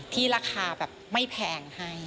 ที่ราคาแบบไม่แพงให้